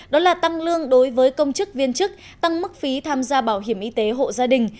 đó là tăng lương đối với công chức viên chức tăng mức phí tham gia bảo hiểm y tế hộ gia đình